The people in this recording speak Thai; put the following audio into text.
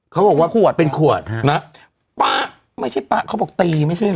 เขาบอกว่าขวดเป็นขวดฮะนะป๊ะไม่ใช่ป๊ะเขาบอกตีไม่ใช่นะ